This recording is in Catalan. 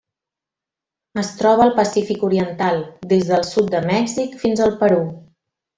Es troba al Pacífic oriental: des del sud de Mèxic fins al Perú.